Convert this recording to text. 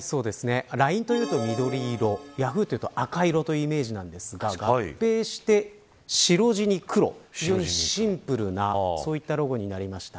ＬＩＮＥというと緑色ヤフーというと赤色というイメージなんですが合併して白地に黒シンプルなロゴになりました。